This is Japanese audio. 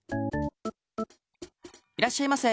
いらっしゃいませ。